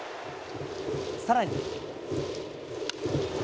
さらに。